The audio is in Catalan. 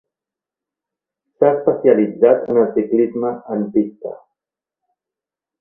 S'ha especialitzat en el ciclisme en pista.